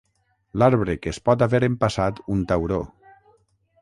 L'arbre que es pot haver empassat un tauró.